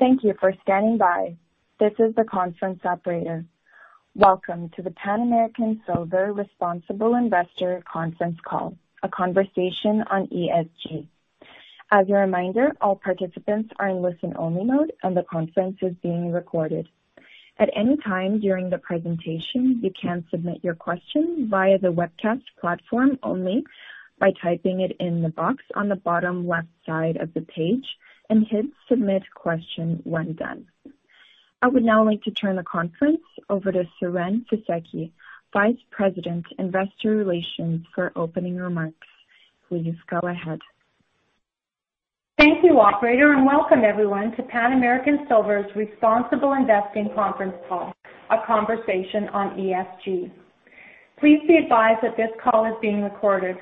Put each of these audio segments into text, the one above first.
Thank you for standing by. This is the conference operator. Welcome to the Pan American Silver Responsible Investor Conference Call, a conversation on ESG. As a reminder, all participants are in listen-only mode, and the conference is being recorded. At any time during the presentation, you can submit your question via the webcast platform only by typing it in the box on the bottom left side of the page and hit Submit Question when done. I would now like to turn the conference over to Siren Fisekci, Vice President, Investor Relations for opening remarks. Please go ahead. Thank you, Operator, and welcome everyone to Pan American Silver's Responsible Investing Conference Call, a conversation on ESG. Please be advised that this call is being recorded.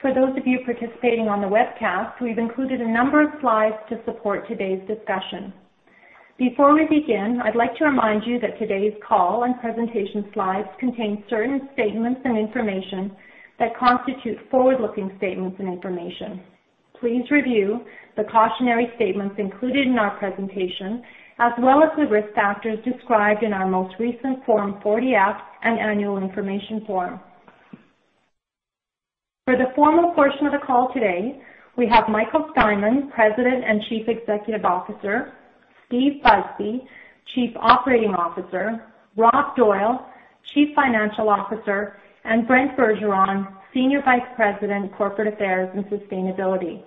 For those of you participating on the webcast, we've included a number of slides to support today's discussion. Before we begin, I'd like to remind you that today's call and presentation slides contain certain statements and information that constitute forward-looking statements and information. Please review the cautionary statements included in our presentation, as well as the risk factors described in our most recent Form 40-F and Annual Information Form. For the formal portion of the call today, we have Michael Steinmann, President and Chief Executive Officer, Steve Busby, Chief Operating Officer, Rob Doyle, Chief Financial Officer, and Brent Bergeron, Senior Vice President, Corporate Affairs and Sustainability.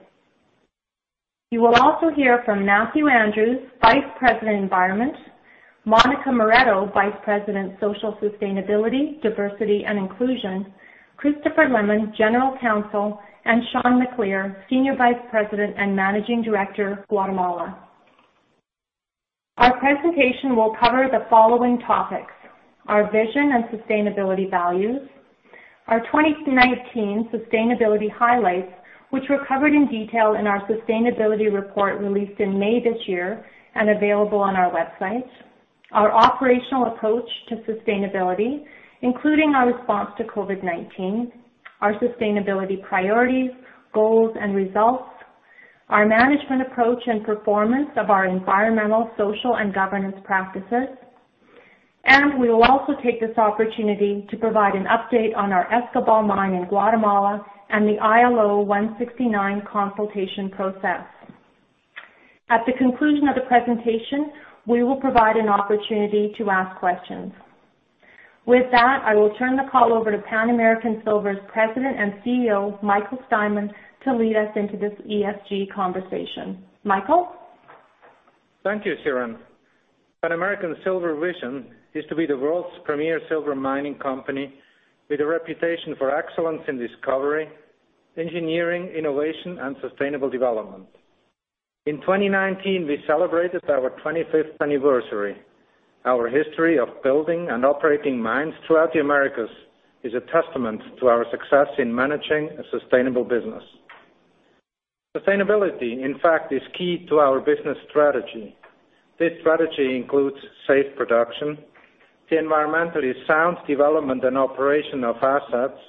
You will also hear from Matthew Andrews, Vice President, Environment, Monica Moretto, Vice President, Social Sustainability, Diversity, and Inclusion, Christopher Lemon, General Counsel, and Sean McAleer, Senior Vice President and Managing Director, Guatemala. Our presentation will cover the following topics: our vision and sustainability values, our 2019 sustainability highlights, which were covered in detail in our sustainability report released in May this year and available on our website, our operational approach to sustainability, including our response to COVID-19, our sustainability priorities, goals, and results, our management approach and performance of our environmental, social, and governance practices, and we will also take this opportunity to provide an update on our Escobal mine in Guatemala and the ILO 169 consultation process. At the conclusion of the presentation, we will provide an opportunity to ask questions. With that, I will turn the call over to Pan American Silver's President and CEO, Michael Steinmann, to lead us into this ESG conversation. Michael? Thank you, Siren. Pan American Silver vision is to be the world's premier silver mining company with a reputation for excellence in discovery, engineering, innovation, and sustainable development. In 2019, we celebrated our 25th anniversary. Our history of building and operating mines throughout the Americas is a testament to our success in managing a sustainable business. Sustainability, in fact, is key to our business strategy. This strategy includes safe production, the environmentally sound development and operation of assets,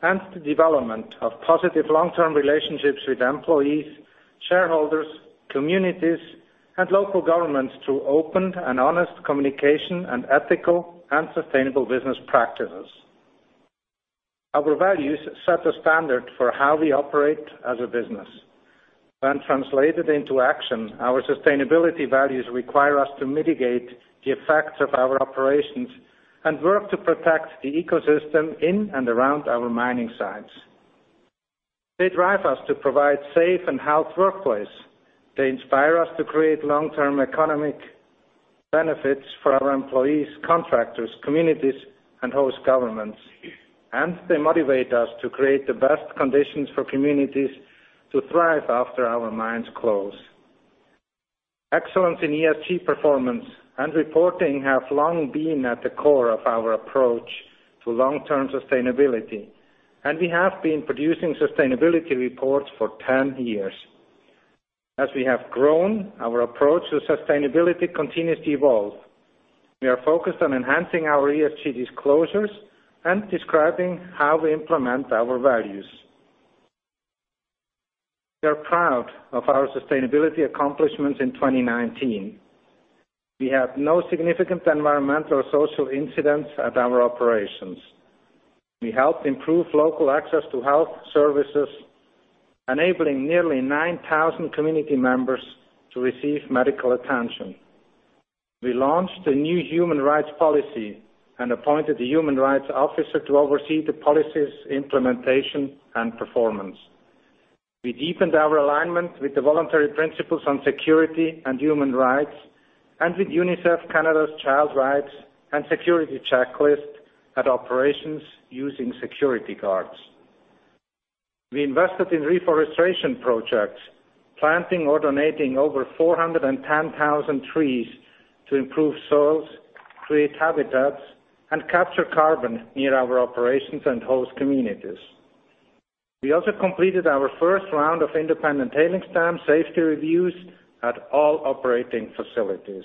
and the development of positive long-term relationships with employees, shareholders, communities, and local governments through open and honest communication and ethical and sustainable business practices. Our values set the standard for how we operate as a business. When translated into action, our sustainability values require us to mitigate the effects of our operations and work to protect the ecosystem in and around our mining sites. They drive us to provide safe and healthy workplace. They inspire us to create long-term economic benefits for our employees, contractors, communities, and host governments. And they motivate us to create the best conditions for communities to thrive after our mines close. Excellence in ESG performance and reporting have long been at the core of our approach to long-term sustainability, and we have been producing sustainability reports for 10 years. As we have grown, our approach to sustainability continues to evolve. We are focused on enhancing our ESG disclosures and describing how we implement our values. We are proud of our sustainability accomplishments in 2019. We had no significant environmental or social incidents at our operations. We helped improve local access to health services, enabling nearly 9,000 community members to receive medical attention. We launched a new human rights policy and appointed a human rights officer to oversee the policy's implementation and performance. We deepened our alignment with the Voluntary Principles on Security and Human Rights and with UNICEF Canada's Child Rights and Security Checklist at operations using security guards. We invested in reforestation projects, planting or donating over 410,000 trees to improve soils, create habitats, and capture carbon near our operations and host communities. We also completed our first round of independent tailings dam safety reviews at all operating facilities.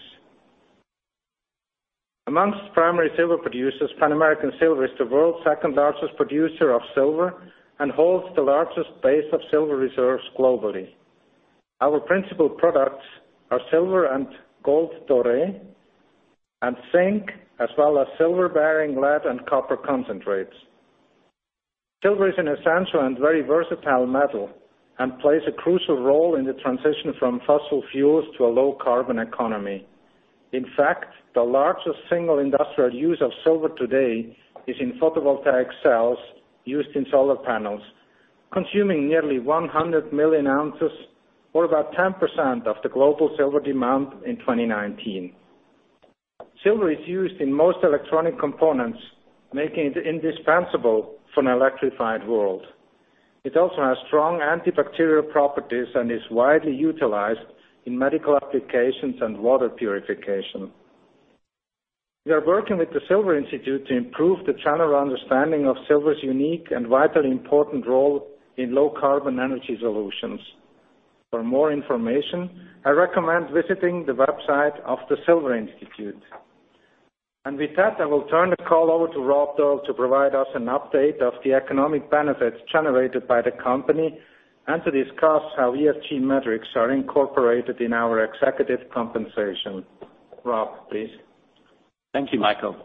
Among primary silver producers, Pan American Silver is the world's second largest producer of silver and holds the largest base of silver reserves globally. Our principal products are silver and gold doré, and zinc, as well as silver-bearing lead and copper concentrates. Silver is an essential and very versatile metal and plays a crucial role in the transition from fossil fuels to a low-carbon economy. In fact, the largest single industrial use of silver today is in photovoltaic cells used in solar panels, consuming nearly 100 million ounces, or about 10% of the global silver demand in 2019. Silver is used in most electronic components, making it indispensable for an electrified world. It also has strong antibacterial properties and is widely utilized in medical applications and water purification. We are working with the Silver Institute to improve the general understanding of silver's unique and vitally important role in low-carbon energy solutions. For more information, I recommend visiting the website of the Silver Institute.With that, I will turn the call over to Rob Doyle to provide us an update of the economic benefits generated by the company and to discuss how ESG metrics are incorporated in our executive compensation. Rob, please. Thank you, Michael.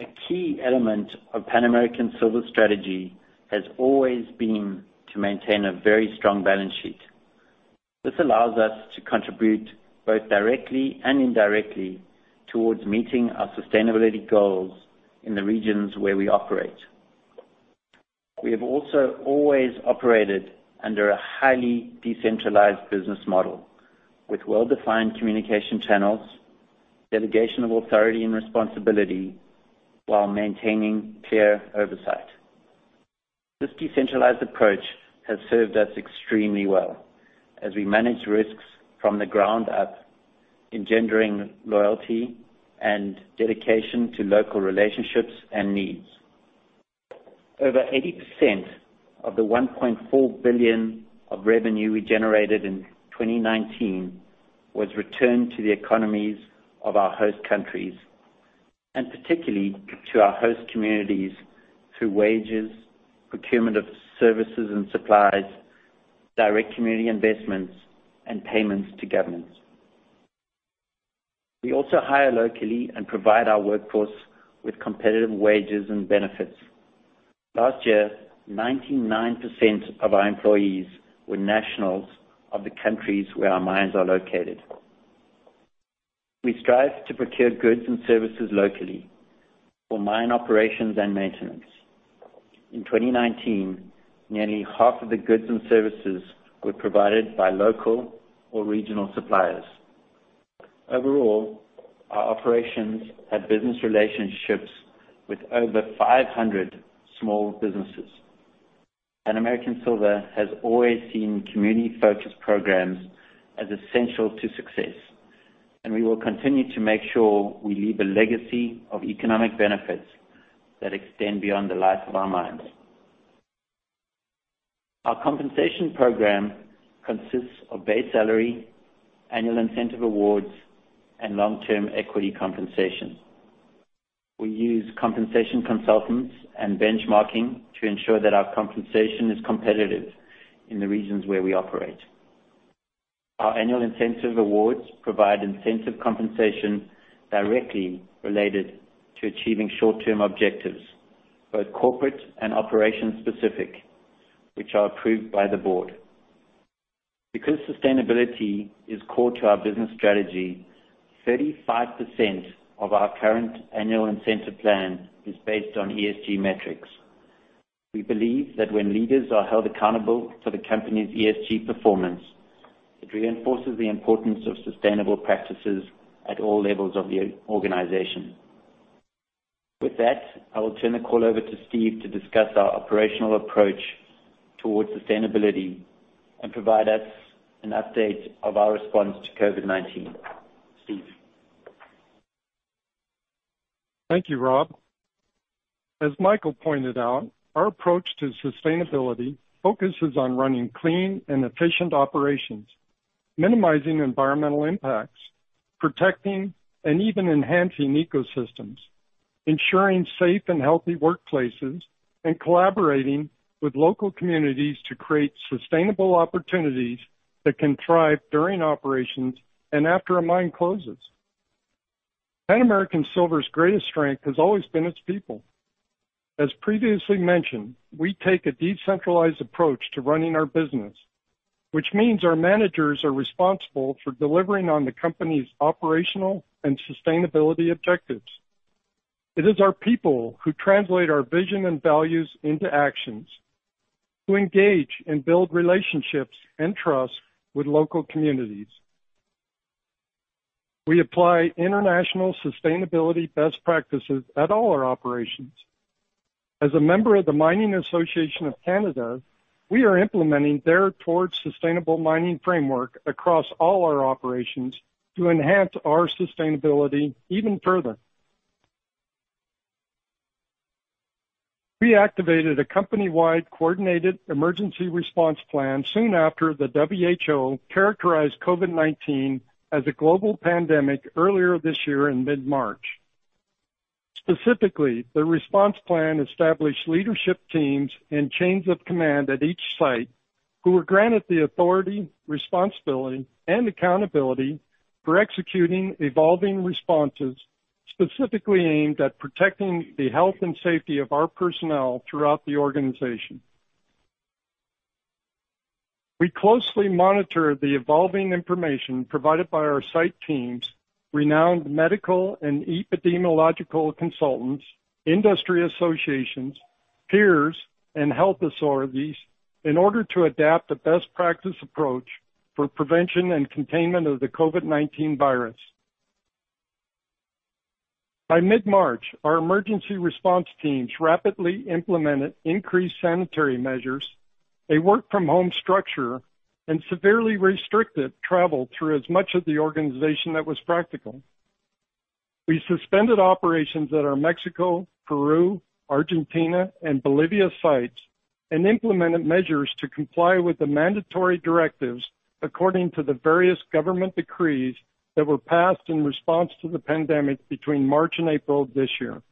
A key element of Pan American Silver's strategy has always been to maintain a very strong balance sheet. This allows us to contribute both directly and indirectly towards meeting our sustainability goals in the regions where we operate. We have also always operated under a highly decentralized business model with well-defined communication channels, delegation of authority and responsibility, while maintaining clear oversight. This decentralized approach has served us extremely well as we manage risks from the ground up, engendering loyalty and dedication to local relationships and needs. Over 80% of the $1.4 billion of revenue we generated in 2019 was returned to the economies of our host countries, and particularly to our host communities through wages, procurement of services and supplies, direct community investments, and payments to governments. We also hire locally and provide our workforce with competitive wages and benefits. Last year, 99% of our employees were nationals of the countries where our mines are located. We strive to procure goods and services locally for mine operations and maintenance. In 2019, nearly half of the goods and services were provided by local or regional suppliers. Overall, our operations have business relationships with over 500 small businesses. Pan American Silver has always seen community-focused programs as essential to success, and we will continue to make sure we leave a legacy of economic benefits that extend beyond the life of our mines. Our compensation program consists of base salary, annual incentive awards, and long-term equity compensation. We use compensation consultants and benchmarking to ensure that our compensation is competitive in the regions where we operate. Our annual incentive awards provide incentive compensation directly related to achieving short-term objectives, both corporate and operation-specific, which are approved by the board. Because sustainability is core to our business strategy, 35% of our current annual incentive plan is based on ESG metrics. We believe that when leaders are held accountable for the company's ESG performance, it reinforces the importance of sustainable practices at all levels of the organization. With that, I will turn the call over to Steve to discuss our operational approach towards sustainability and provide us an update of our response to COVID-19. Steve. Thank you, Rob. As Michael pointed out, our approach to sustainability focuses on running clean and efficient operations, minimizing environmental impacts, protecting and even enhancing ecosystems, ensuring safe and healthy workplaces, and collaborating with local communities to create sustainable opportunities that can thrive during operations and after a mine closes. Pan American Silver's greatest strength has always been its people. As previously mentioned, we take a decentralized approach to running our business, which means our managers are responsible for delivering on the company's operational and sustainability objectives. It is our people who translate our vision and values into actions, who engage and build relationships and trust with local communities. We apply international sustainability best practices at all our operations. As a member of the Mining Association of Canada, we are implementing their Towards Sustainable Mining framework across all our operations to enhance our sustainability even further. We activated a company-wide coordinated emergency response plan soon after the WHO characterized COVID-19 as a global pandemic earlier this year in mid-March. Specifically, the response plan established leadership teams and chains of command at each site who were granted the authority, responsibility, and accountability for executing evolving responses specifically aimed at protecting the health and safety of our personnel throughout the organization. We closely monitor the evolving information provided by our site teams, renowned medical and epidemiological consultants, industry associations, peers, and health authorities in order to adapt a best practice approach for prevention and containment of the COVID-19 virus. By mid-March, our emergency response teams rapidly implemented increased sanitary measures, a work-from-home structure, and severely restricted travel through as much of the organization that was practical. We suspended operations at our Mexico, Peru, Argentina, and Bolivia sites and implemented measures to comply with the mandatory directives according to the various government decrees that were passed in response to the pandemic between March and April of this year.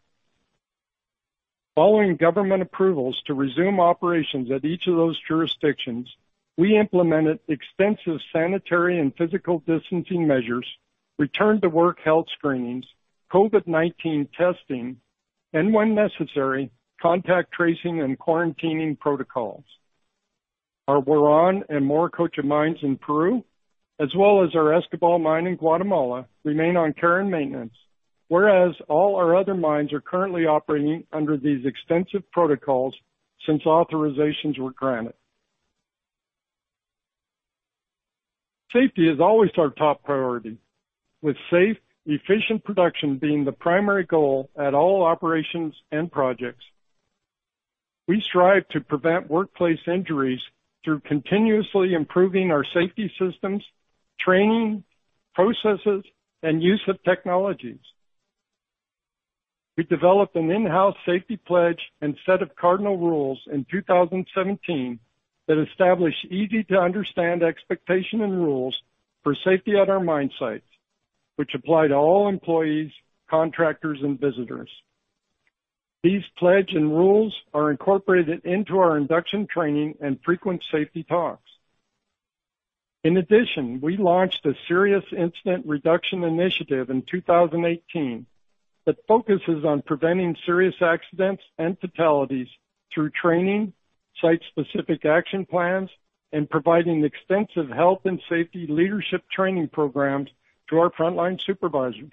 Following government approvals to resume operations at each of those jurisdictions, we implemented extensive sanitary and physical distancing measures, return-to-work health screenings, COVID-19 testing, and, when necessary, contact tracing and quarantining protocols. Our Huarón and Morococha mines in Peru, as well as our Escobal mine in Guatemala, remain on care and maintenance, whereas all our other mines are currently operating under these extensive protocols since authorizations were granted. Safety is always our top priority, with safe, efficient production being the primary goal at all operations and projects. We strive to prevent workplace injuries through continuously improving our safety systems, training processes, and use of technologies. We developed an in-house safety pledge and set of cardinal rules in 2017 that established easy-to-understand expectations and rules for safety at our mine sites, which apply to all employees, contractors, and visitors. These pledges and rules are incorporated into our induction training and frequent safety talks. In addition, we launched a serious incident reduction initiative in 2018 that focuses on preventing serious accidents and fatalities through training, site-specific action plans, and providing extensive health and safety leadership training programs to our frontline supervisors.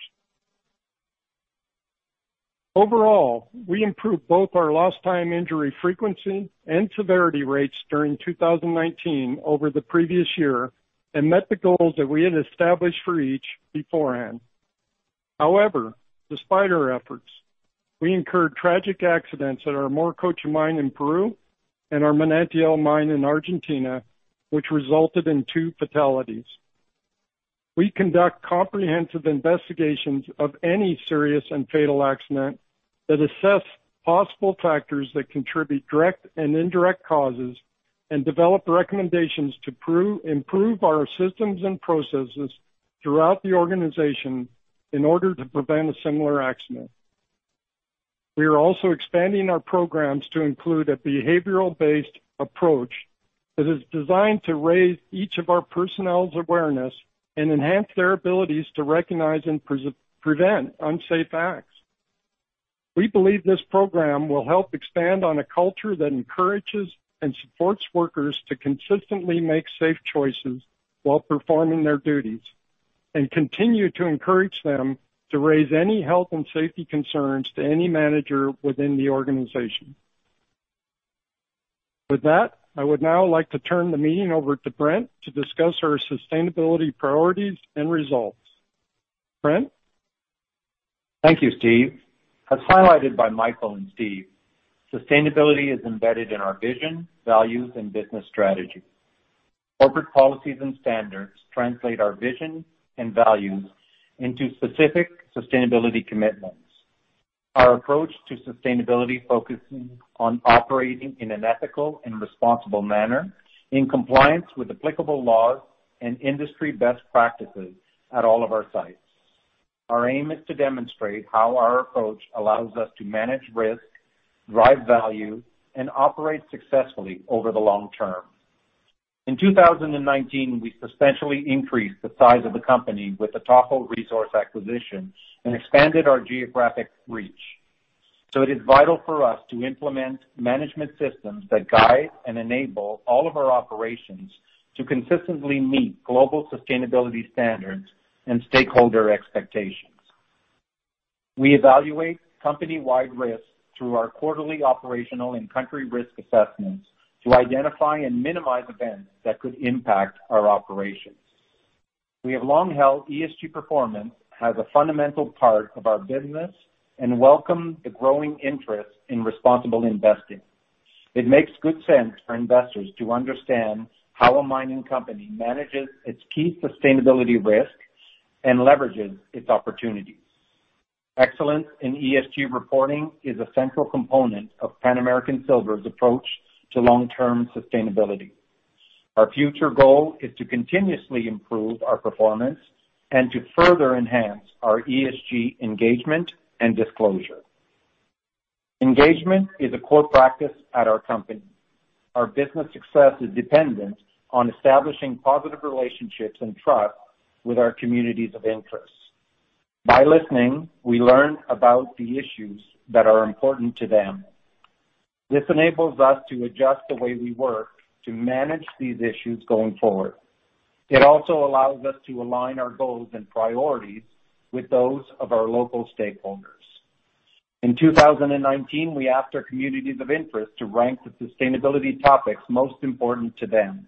Overall, we improved both our lost-time injury frequency and severity rates during 2019 over the previous year and met the goals that we had established for each beforehand. However, despite our efforts, we incurred tragic accidents at our Morococha mine in Peru and our Manantial mine in Argentina, which resulted in two fatalities. We conduct comprehensive investigations of any serious and fatal accident that assess possible factors that contribute direct and indirect causes and develop recommendations to improve our systems and processes throughout the organization in order to prevent a similar accident. We are also expanding our programs to include a behavioral-based approach that is designed to raise each of our personnel's awareness and enhance their abilities to recognize and prevent unsafe acts. We believe this program will help expand on a culture that encourages and supports workers to consistently make safe choices while performing their duties and continue to encourage them to raise any health and safety concerns to any manager within the organization. With that, I would now like to turn the meeting over to Brent to discuss our sustainability priorities and results. Brent? Thank you, Steve. As highlighted by Michael and Steve, sustainability is embedded in our vision, values, and business strategy. Corporate policies and standards translate our vision and values into specific sustainability commitments. Our approach to sustainability focuses on operating in an ethical and responsible manner in compliance with applicable laws and industry best practices at all of our sites. Our aim is to demonstrate how our approach allows us to manage risk, drive value, and operate successfully over the long term. In 2019, we substantially increased the size of the company with a Tahoe resource acquisition and expanded our geographic reach. So it is vital for us to implement management systems that guide and enable all of our operations to consistently meet global sustainability standards and stakeholder expectations. We evaluate company-wide risks through our quarterly operational and country risk assessments to identify and minimize events that could impact our operations. We have long held ESG performance as a fundamental part of our business and welcome the growing interest in responsible investing. It makes good sense for investors to understand how a mining company manages its key sustainability risks and leverages its opportunities. Excellence in ESG reporting is a central component of Pan American Silver's approach to long-term sustainability. Our future goal is to continuously improve our performance and to further enhance our ESG engagement and disclosure. Engagement is a core practice at our company. Our business success is dependent on establishing positive relationships and trust with our communities of interest. By listening, we learn about the issues that are important to them. This enables us to adjust the way we work to manage these issues going forward. It also allows us to align our goals and priorities with those of our local stakeholders. In 2019, we asked our communities of interest to rank the sustainability topics most important to them.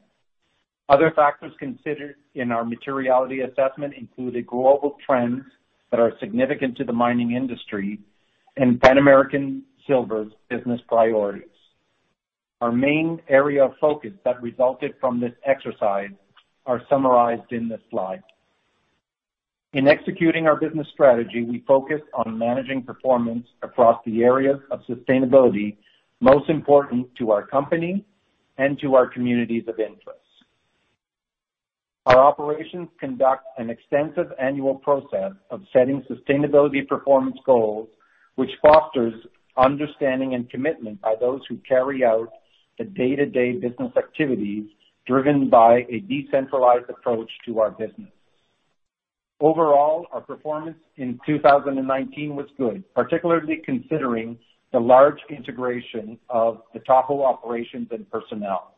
Other factors considered in our materiality assessment included global trends that are significant to the mining industry and Pan American Silver's business priorities. Our main area of focus that resulted from this exercise is summarized in this slide. In executing our business strategy, we focused on managing performance across the areas of sustainability most important to our company and to our communities of interest. Our operations conduct an extensive annual process of setting sustainability performance goals, which fosters understanding and commitment by those who carry out the day-to-day business activities driven by a decentralized approach to our business. Overall, our performance in 2019 was good, particularly considering the large integration of the Tahoe operations and personnel.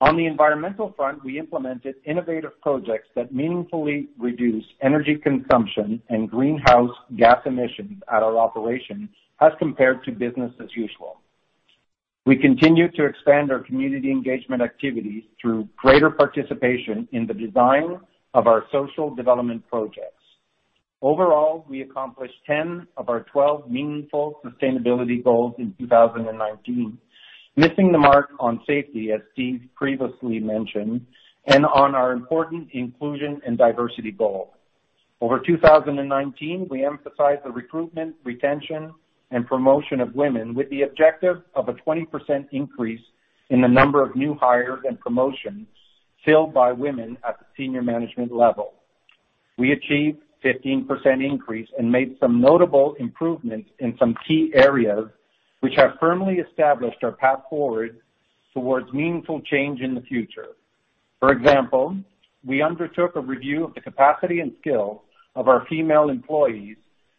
On the environmental front, we implemented innovative projects that meaningfully reduce energy consumption and greenhouse gas emissions at our operations as compared to business as usual. We continue to expand our community engagement activities through greater participation in the design of our social development projects. Overall, we accomplished 10 of our 12 meaningful sustainability goals in 2019, missing the mark on safety, as Steve previously mentioned, and on our important inclusion and diversity goal. Over 2019, we emphasized the recruitment, retention, and promotion of women with the objective of a 20% increase in the number of new hires and promotions filled by women at the senior management level. We achieved a 15% increase and made some notable improvements in some key areas, which have firmly established our path forward towards meaningful change in the future. For example, we undertook a review of the capacity and skill of our female employees,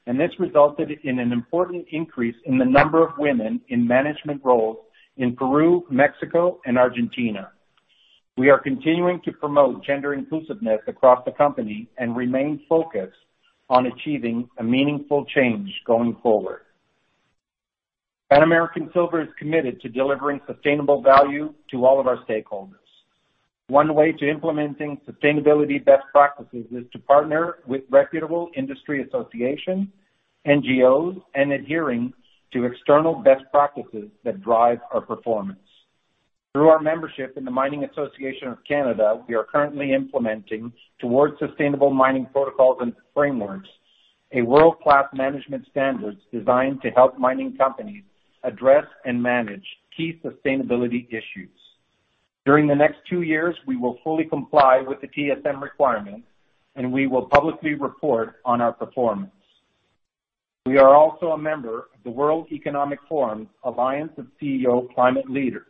and this resulted in an important increase in the number of women in management roles in Peru, Mexico, and Argentina. We are continuing to promote gender inclusiveness across the company and remain focused on achieving a meaningful change going forward. Pan American Silver is committed to delivering sustainable value to all of our stakeholders. One way to implementing sustainability best practices is to partner with reputable industry associations, NGOs, and adhering to external best practices that drive our performance. Through our membership in the Mining Association of Canada, we are currently implementing Towards Sustainable Mining protocols and frameworks, a world-class management standard designed to help mining companies address and manage key sustainability issues. During the next two years, we will fully comply with the TSM requirements, and we will publicly report on our performance. We are also a member of the World Economic Forum's Alliance of CEO Climate Leaders,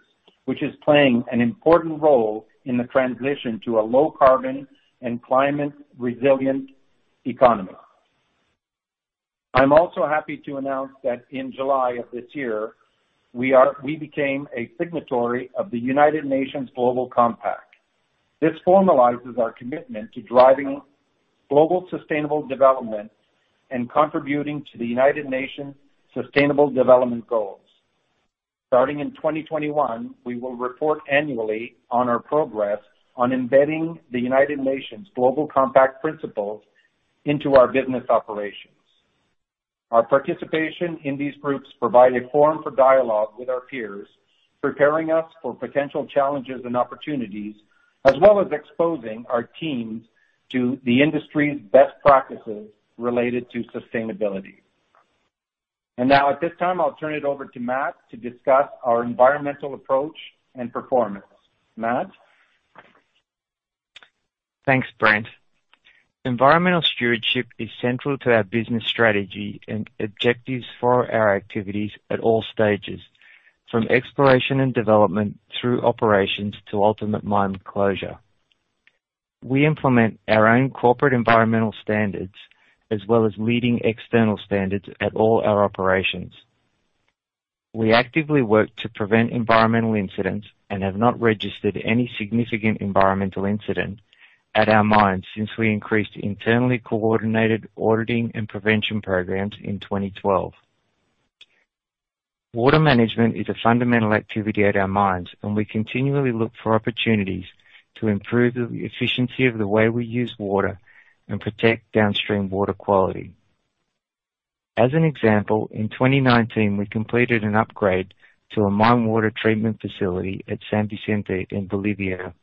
which is playing an important role in the transition to a low-carbon and climate-resilient economy. I'm also happy to announce that in July of this year, we became a signatory of the United Nations Global Compact. This formalizes our commitment to driving global sustainable development and contributing to the United Nations' Sustainable Development Goals. Starting in 2021, we will report annually on our progress on embedding the United Nations' Global Compact principles into our business operations. Our participation in these groups provides a forum for dialogue with our peers, preparing us for potential challenges and opportunities, as well as exposing our teams to the industry's best practices related to sustainability. And now, at this time, I'll turn it over to Matt to discuss our environmental approach and performance. Matt. Thanks, Brent. Environmental stewardship is central to our business strategy and objectives for our activities at all stages, from exploration and development through operations to ultimate mine closure. We implement our own corporate environmental standards as well as leading external standards at all our operations. We actively work to prevent environmental incidents and have not registered any significant environmental incident at our mines since we increased internally coordinated auditing and prevention programs in 2012. Water management is a fundamental activity at our mines, and we continually look for opportunities to improve the efficiency of the way we use water and protect downstream water quality. As an example, in 2019, we completed an upgrade to a mine water treatment facility at San Vicente in Bolivia,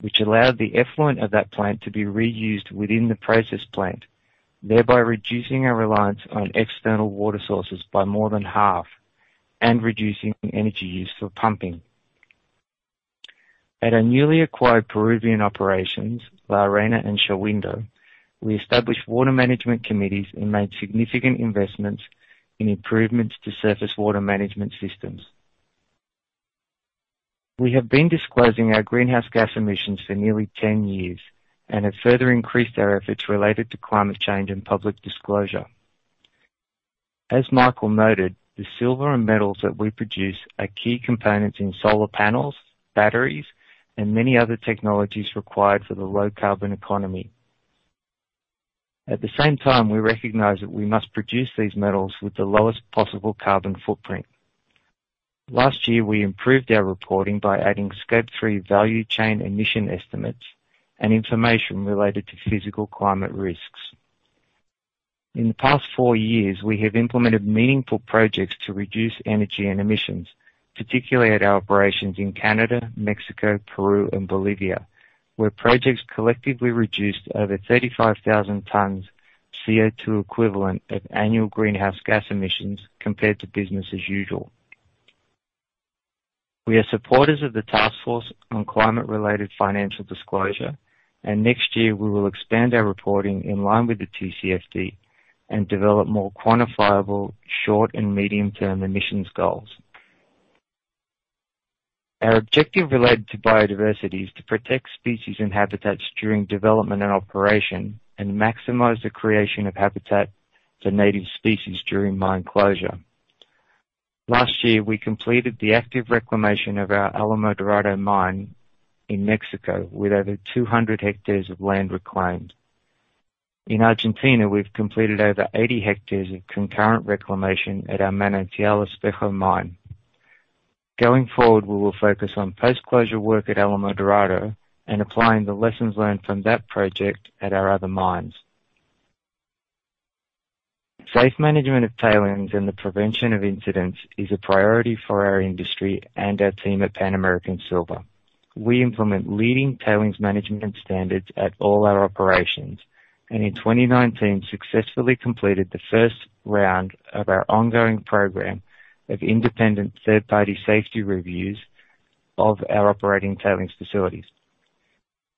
which allowed the effluent of that plant to be reused within the process plant, thereby reducing our reliance on external water sources by more than half and reducing energy use for pumping. At our newly acquired Peruvian operations, La Arena and Shahuindo, we established water management committees and made significant investments in improvements to surface water management systems. We have been disclosing our greenhouse gas emissions for nearly 10 years and have further increased our efforts related to climate change and public disclosure. As Michael noted, the silver and metals that we produce are key components in solar panels, batteries, and many other technologies required for the low-carbon economy. At the same time, we recognize that we must produce these metals with the lowest possible carbon footprint. Last year, we improved our reporting by adding Scope 3 value chain emission estimates and information related to physical climate risks. In the past four years, we have implemented meaningful projects to reduce energy and emissions, particularly at our operations in Canada, Mexico, Peru, and Bolivia, where projects collectively reduced over 35,000 tons CO2 equivalent of annual greenhouse gas emissions compared to business as usual. We are supporters of the Task Force on Climate-related Financial Disclosures, and next year, we will expand our reporting in line with the TCFD and develop more quantifiable short and medium-term emissions goals. Our objective related to biodiversity is to protect species and habitats during development and operation and maximize the creation of habitat for native species during mine closure. Last year, we completed the active reclamation of our Alamo Dorado mine in Mexico with over 200 ha of land reclaimed. In Argentina, we've completed over 80 ha of concurrent reclamation at our Manantial Espejo mine. Going forward, we will focus on post-closure work at Alamo Dorado and applying the lessons learned from that project at our other mines. Safe management of tailings and the prevention of incidents is a priority for our industry and our team at Pan American Silver. We implement leading tailings management standards at all our operations and in 2019 successfully completed the first round of our ongoing program of independent third-party safety reviews of our operating tailings facilities.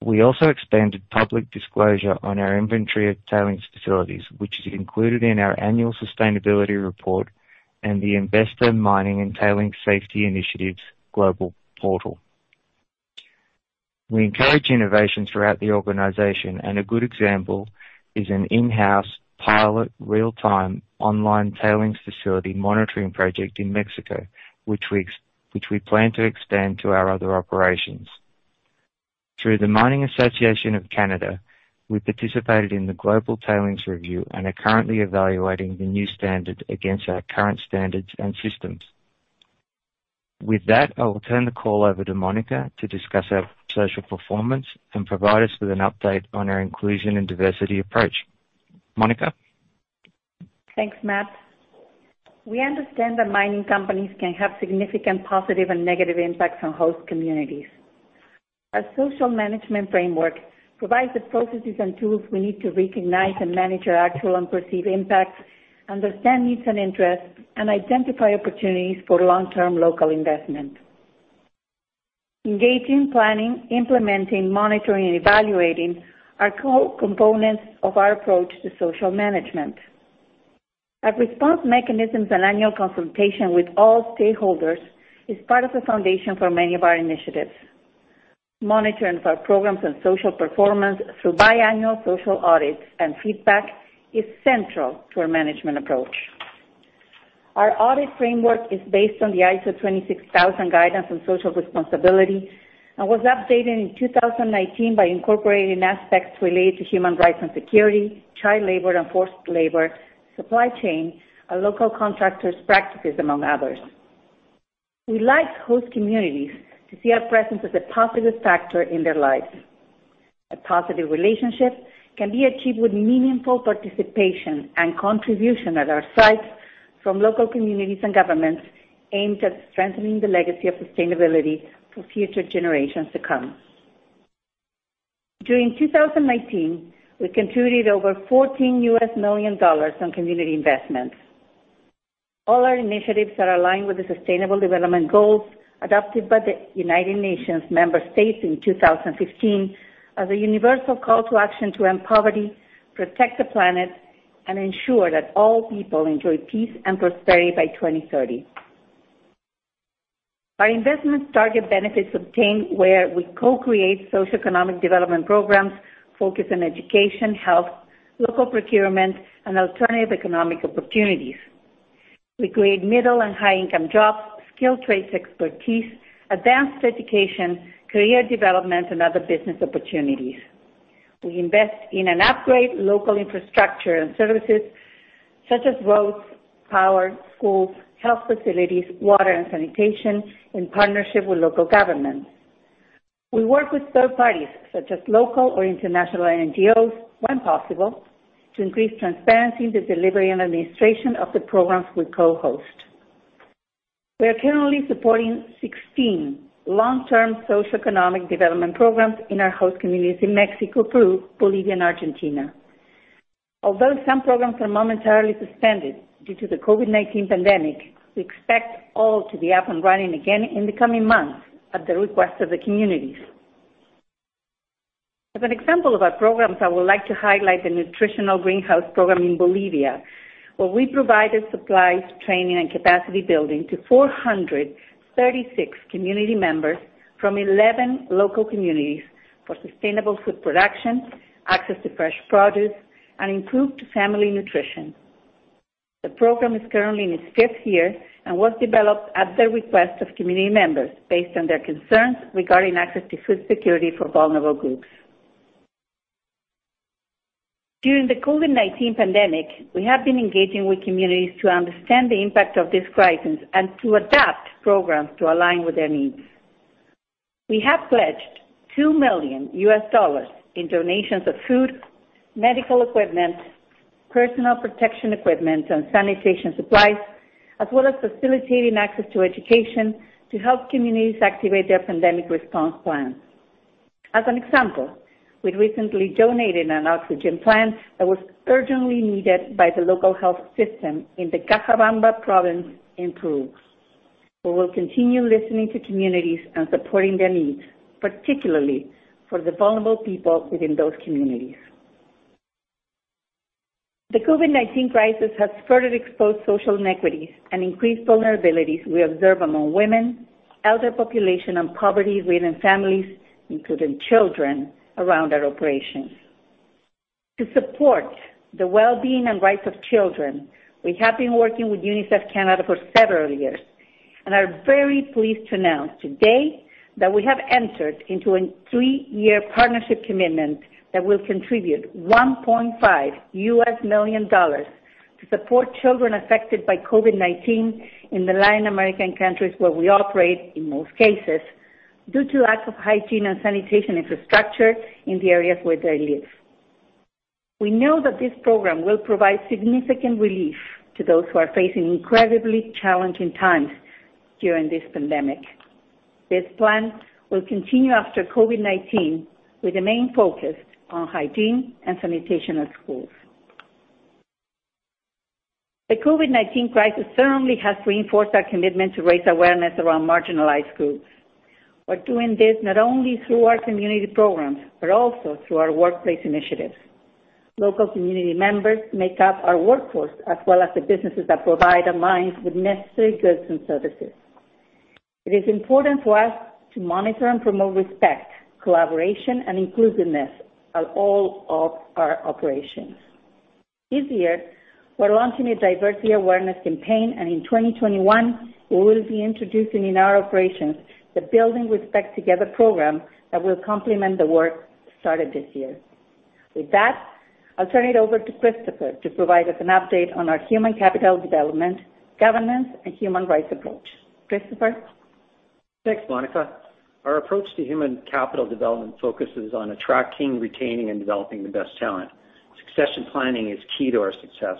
We also expanded public disclosure on our inventory of tailings facilities, which is included in our annual sustainability report and the Investor Mining and Tailings Safety Initiatives Global Portal. We encourage innovation throughout the organization, and a good example is an in-house pilot real-time online tailings facility monitoring project in Mexico, which we plan to expand to our other operations. Through the Mining Association of Canada, we participated in the Global Tailings Review and are currently evaluating the new standard against our current standards and systems. With that, I will turn the call over to Monica to discuss our social performance and provide us with an update on our inclusion and diversity approach. Monica. Thanks, Matt. We understand that mining companies can have significant positive and negative impacts on host communities. Our social management framework provides the processes and tools we need to recognize and manage our actual and perceived impacts, understand needs and interests, and identify opportunities for long-term local investment. Engaging, planning, implementing, monitoring, and evaluating are core components of our approach to social management. Our response mechanisms and annual consultation with all stakeholders is part of the foundation for many of our initiatives. Monitoring of our programs and social performance through biannual social audits and feedback is central to our management approach. Our audit framework is based on the ISO 26000 guidance on social responsibility and was updated in 2019 by incorporating aspects related to human rights and security, child labor, forced labor, supply chain, and local contractors' practices, among others. We like host communities to see our presence as a positive factor in their lives. A positive relationship can be achieved with meaningful participation and contribution at our sites from local communities and governments aimed at strengthening the legacy of sustainability for future generations to come. During 2019, we contributed over $14 million on community investments. All our initiatives are aligned with the Sustainable Development Goals adopted by the United Nations member states in 2015 as a universal call to action to end poverty, protect the planet, and ensure that all people enjoy peace and prosperity by 2030. Our investments target benefits obtained where we co-create socioeconomic development programs focused on education, health, local procurement, and alternative economic opportunities. We create middle and high-income jobs, skilled trades expertise, advanced education, career development, and other business opportunities. We invest in and upgrade local infrastructure and services such as roads, power, schools, health facilities, water, and sanitation in partnership with local governments. We work with third parties such as local or international NGOs, when possible, to increase transparency in the delivery and administration of the programs we co-host. We are currently supporting 16 long-term socioeconomic development programs in our host communities in Mexico, Peru, Bolivia, and Argentina. Although some programs are momentarily suspended due to the COVID-19 pandemic, we expect all to be up and running again in the coming months at the request of the communities. As an example of our programs, I would like to highlight the nutritional greenhouse program in Bolivia, where we provided supplies, training, and capacity building to 436 community members from 11 local communities for sustainable food production, access to fresh produce, and improved family nutrition. The program is currently in its fifth year and was developed at the request of community members based on their concerns regarding access to food security for vulnerable groups. During the COVID-19 pandemic, we have been engaging with communities to understand the impact of this crisis and to adapt programs to align with their needs. We have pledged $2 million in donations of food, medical equipment, personal protective equipment, and sanitation supplies, as well as facilitating access to education to help communities activate their pandemic response plans. As an example, we recently donated an oxygen plant that was urgently needed by the local health system in the Cajabamba province in Peru. We will continue listening to communities and supporting their needs, particularly for the vulnerable people within those communities. The COVID-19 crisis has further exposed social inequities and increased vulnerabilities we observe among women, elder population, and poverty-ridden families, including children, around our operations. To support the well-being and rights of children, we have been working with UNICEF Canada for several years and are very pleased to announce today that we have entered into a three-year partnership commitment that will contribute $1.5 million to support children affected by COVID-19 in the Latin American countries where we operate, in most cases, due to lack of hygiene and sanitation infrastructure in the areas where they live. We know that this program will provide significant relief to those who are facing incredibly challenging times during this pandemic. This plan will continue after COVID-19 with the main focus on hygiene and sanitation at schools. The COVID-19 crisis certainly has reinforced our commitment to raise awareness around marginalized groups. We're doing this not only through our community programs but also through our workplace initiatives. Local community members make up our workforce as well as the businesses that provide our mines with necessary goods and services. It is important for us to monitor and promote respect, collaboration, and inclusiveness at all of our operations. This year, we're launching a diversity awareness campaign, and in 2021, we will be introducing in our operations the Building Respect Together program that will complement the work started this year. With that, I'll turn it over to Christopher to provide us an update on our human capital development, governance, and human rights approach. Christopher. Thanks, Monica. Our approach to human capital development focuses on attracting, retaining, and developing the best talent. Succession planning is key to our success.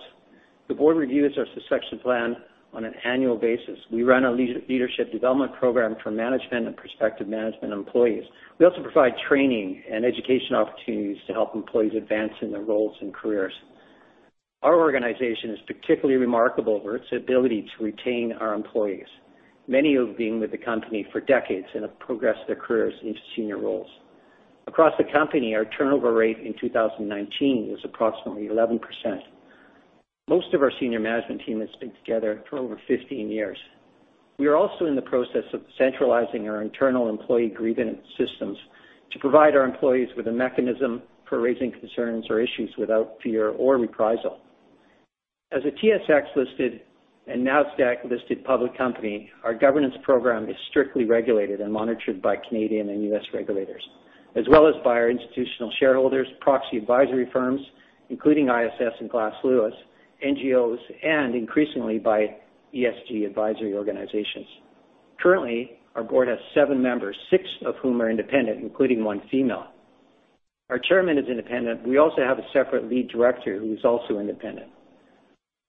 The board reviews our succession plan on an annual basis. We run a leadership development program for management and prospective management employees. We also provide training and education opportunities to help employees advance in their roles and careers. Our organization is particularly remarkable for its ability to retain our employees, many of them being with the company for decades and have progressed their careers into senior roles. Across the company, our turnover rate in 2019 was approximately 11%. Most of our senior management team has been together for over 15 years. We are also in the process of centralizing our internal employee grievance systems to provide our employees with a mechanism for raising concerns or issues without fear or reprisal. As a TSX-listed and NASDAQ-listed public company, our governance program is strictly regulated and monitored by Canadian and US regulators, as well as by our institutional shareholders, proxy advisory firms, including ISS and Glass Lewis, NGOs, and increasingly by ESG advisory organizations. Currently, our board has seven members, six of whom are independent, including one female. Our chairman is independent. We also have a separate lead director who is also independent.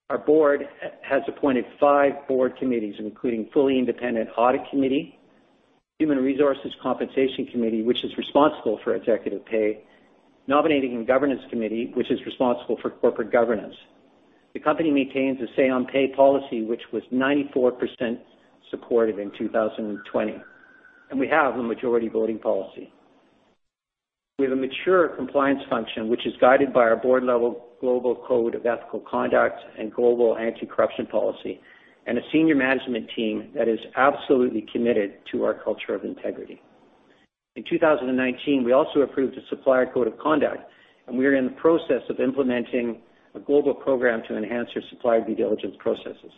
Our board has appointed five board committees, including a fully independent Audit Committee, a Human Resources Compensation Committee, which is responsible for executive pay, and a Nominating and Governance Committee, which is responsible for corporate governance. The company maintains a say-on-pay policy, which was 94% supportive in 2020, and we have a majority voting policy. We have a mature compliance function, which is guided by our board-level Global Code of Ethical Conduct and Global Anti-Corruption Policy, and a senior management team that is absolutely committed to our culture of integrity. In 2019, we also approved a Supplier Code of Conduct, and we are in the process of implementing a global program to enhance our supplier due diligence processes.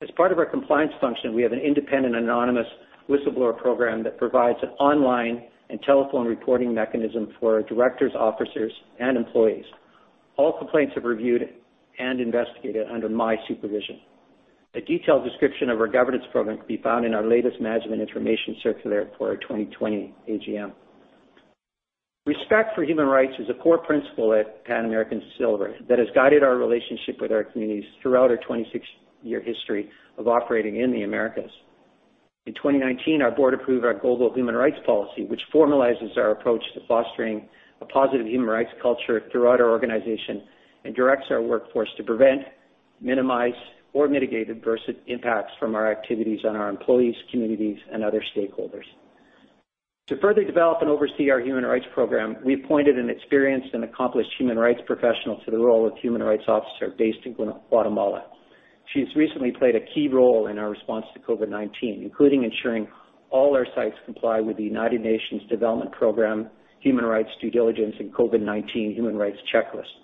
As part of our compliance function, we have an independent and anonymous whistleblower program that provides an online and telephone reporting mechanism for directors, officers, and employees. All complaints are reviewed and investigated under my supervision. A detailed description of our governance program can be found in our latest management information circular for our 2020 AGM. Respect for human rights is a core principle at Pan American Silver that has guided our relationship with our communities throughout our 26-year history of operating in the Americas.In 2019, our board approved our Global Human Rights Policy, which formalizes our approach to fostering a positive human rights culture throughout our organization and directs our workforce to prevent, minimize, or mitigate adverse impacts from our activities on our employees, communities, and other stakeholders. To further develop and oversee our human rights program, we appointed an experienced and accomplished human rights professional to the role of human rights officer based in Guatemala. She has recently played a key role in our response to COVID-19, including ensuring all our sites comply with the United Nations Development Programme human rights due diligence and COVID-19 human rights checklist.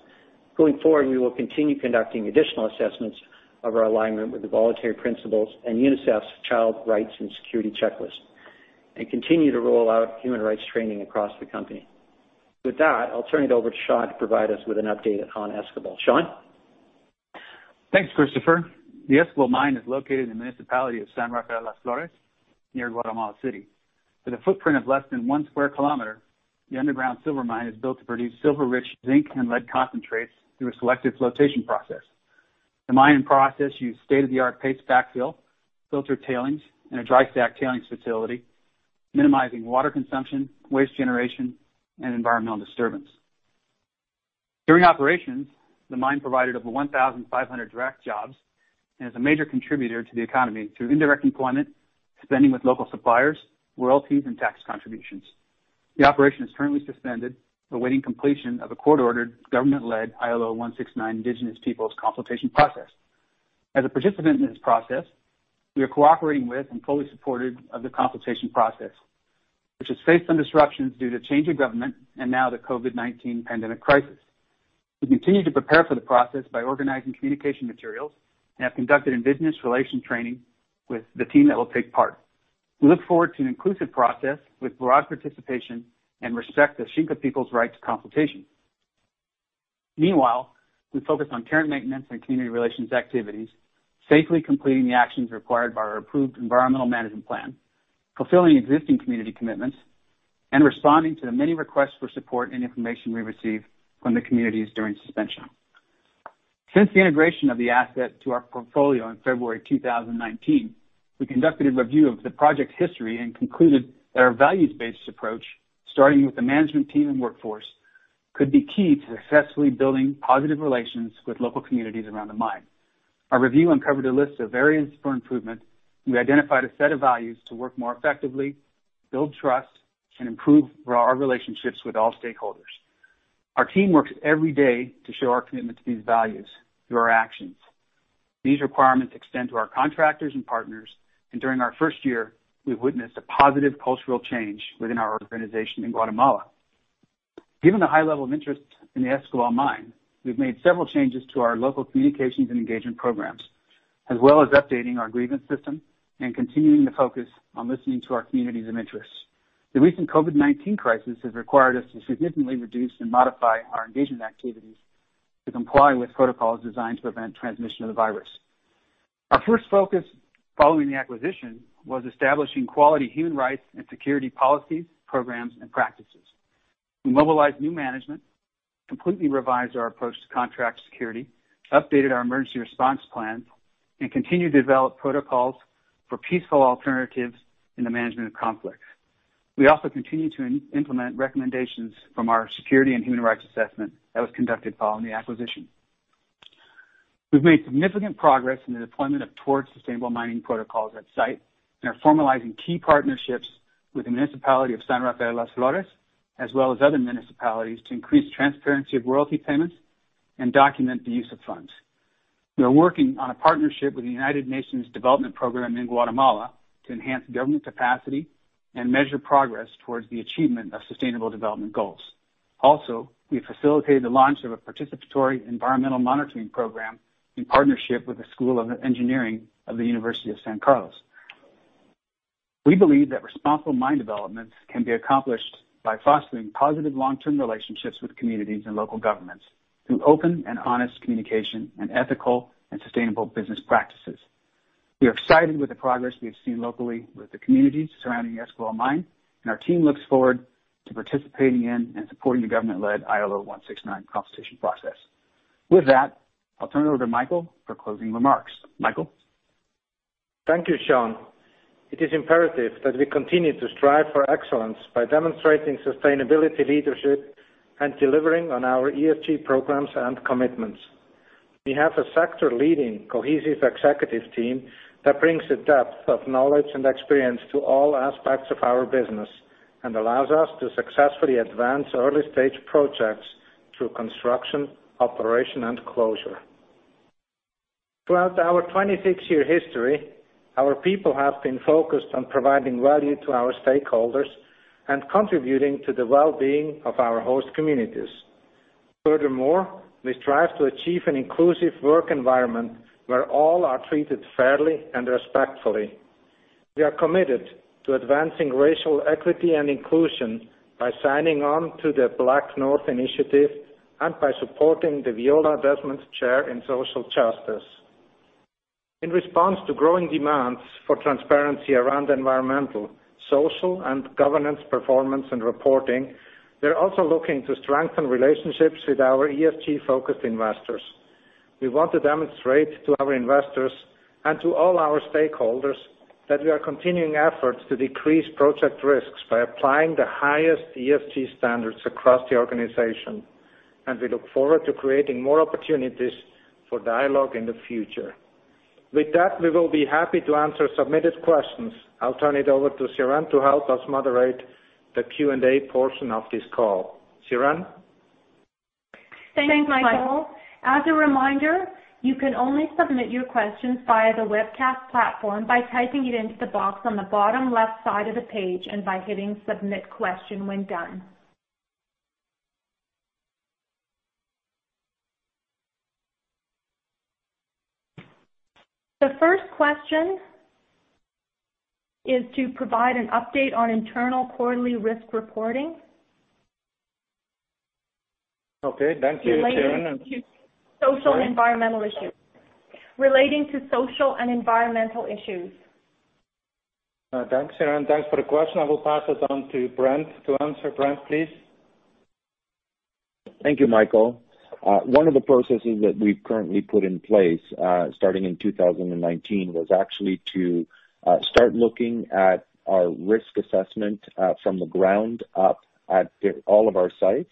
Going forward, we will continue conducting additional assessments of our alignment with the voluntary principles and UNICEF's Child Rights and Security checklist and continue to roll out human rights training across the company. With that, I'll turn it over to Sean to provide us with an update on Escobal. Sean? Thanks, Christopher. The Escobal mine is located in the municipality of San Rafael Las Flores, near Guatemala City. With a footprint of less than 1 sq km, the underground silver mine is built to produce silver-rich zinc and lead concentrates through a selective flotation process. The mining process uses state-of-the-art paste backfill, filter tailings, and a dry stack tailings facility, minimizing water consumption, waste generation, and environmental disturbance. During operations, the mine provided over 1,500 direct jobs and is a major contributor to the economy through indirect employment, spending with local suppliers, royalties, and tax contributions. The operation is currently suspended, awaiting completion of a court-ordered government-led ILO 169 Indigenous Peoples consultation process. As a participant in this process, we are cooperating with and fully supported of the consultation process, which has faced some disruptions due to a change in government and now the COVID-19 pandemic crisis. We continue to prepare for the process by organizing communication materials and have conducted indigenous relations training with the team that will take part. We look forward to an inclusive process with broad participation and respect of Xinka Peoples' rights consultation. Meanwhile, we focus on current maintenance and community relations activities, safely completing the actions required by our approved environmental management plan, fulfilling existing community commitments, and responding to the many requests for support and information we receive from the communities during suspension. Since the integration of the asset to our portfolio in February 2019, we conducted a review of the project history and concluded that our values-based approach, starting with the management team and workforce, could be key to successfully building positive relations with local communities around the mine. Our review uncovered a list of areas for improvement. We identified a set of values to work more effectively, build trust, and improve our relationships with all stakeholders. Our team works every day to show our commitment to these values through our actions. These requirements extend to our contractors and partners, and during our first year, we've witnessed a positive cultural change within our organization in Guatemala. Given the high level of interest in the Escobal mine, we've made several changes to our local communications and engagement programs, as well as updating our grievance system and continuing to focus on listening to our communities of interest. The recent COVID-19 crisis has required us to significantly reduce and modify our engagement activities to comply with protocols designed to prevent transmission of the virus. Our first focus following the acquisition was establishing quality human rights and security policies, programs, and practices. We mobilized new management, completely revised our approach to contract security, updated our emergency response plan, and continued to develop protocols for peaceful alternatives in the management of conflicts. We also continue to implement recommendations from our security and human rights assessment that was conducted following the acquisition. We've made significant progress in the deployment of Towards Sustainable Mining protocols at site and are formalizing key partnerships with the municipality of San Rafael Las Flores, as well as other municipalities, to increase transparency of royalty payments and document the use of funds. We are working on a partnership with the United Nations Development Programme in Guatemala to enhance government capacity and measure progress towards the achievement of Sustainable Development Goals. Also, we facilitated the launch of a participatory environmental monitoring program in partnership with the School of Engineering of the University of San Carlos.We believe that responsible mine developments can be accomplished by fostering positive long-term relationships with communities and local governments through open and honest communication and ethical and sustainable business practices. We are excited with the progress we have seen locally with the communities surrounding the Escobal mine, and our team looks forward to participating in and supporting the government-led ILO 169 consultation process. With that, I'll turn it over to Michael for closing remarks. Michael? Thank you, Sean. It is imperative that we continue to strive for excellence by demonstrating sustainability leadership and delivering on our ESG programs and commitments. We have a sector-leading cohesive executive team that brings a depth of knowledge and experience to all aspects of our business and allows us to successfully advance early-stage projects through construction, operation, and closure. Throughout our 26-year history, our people have been focused on providing value to our stakeholders and contributing to the well-being of our host communities. Furthermore, we strive to achieve an inclusive work environment where all are treated fairly and respectfully. We are committed to advancing racial equity and inclusion by signing on to the BlackNorth Initiative and by supporting the Viola Desmond Chair in Social Justice. In response to growing demands for transparency around environmental, social, and governance performance and reporting, we are also looking to strengthen relationships with our ESG-focused investors. We want to demonstrate to our investors and to all our stakeholders that we are continuing efforts to decrease project risks by applying the highest ESG standards across the organization, and we look forward to creating more opportunities for dialogue in the future. With that, we will be happy to answer submitted questions. I'll turn it over to Siren to help us moderate the Q&A portion of this call. Siren? Thanks, Michael. As a reminder, you can only submit your questions via the webcast platform by typing it into the box on the bottom left side of the page and by hitting Submit Question when done. The first question is to provide an update on internal quarterly risk reporting. Okay. Thank you, Siren. Relating to social and environmental issues. Thanks, Siren. Thanks for the question. I will pass it on to Brent to answer. Brent, please. Thank you, Michael. One of the processes that we've currently put in place starting in 2019 was actually to start looking at our risk assessment from the ground up at all of our sites.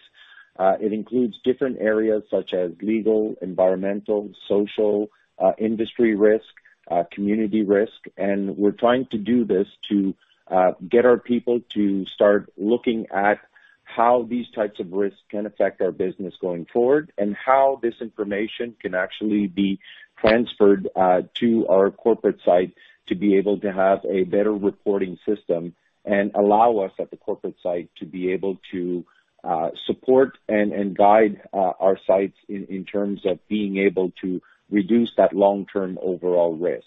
It includes different areas such as legal, environmental, social, industry risk, community risk, and we're trying to do this to get our people to start looking at how these types of risks can affect our business going forward and how this information can actually be transferred to our corporate site to be able to have a better reporting system and allow us at the corporate site to be able to support and guide our sites in terms of being able to reduce that long-term overall risk.